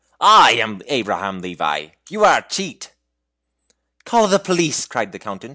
I am Abraham Levi! You are a cheat!" "Call the police!" cried the Countess.